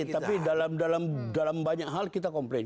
tapi dalam banyak hal kita komplain